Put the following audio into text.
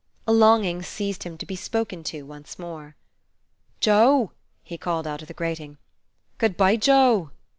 A longing seized him to be spoken to once more. "Joe!" he called, out of the grating. "Good bye, Joe!"